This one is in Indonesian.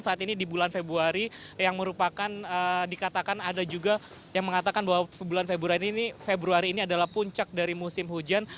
saat ini di bulan februari yang merupakan dikatakan ada juga yang mengatakan bahwa bulan februari ini adalah puncak dari musim hujan